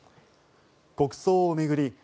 国葬を巡り